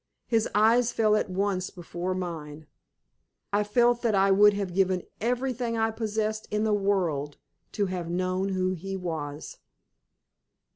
His eyes fell at once before mine. I felt that I would have given everything I possessed in the world to have known who he was.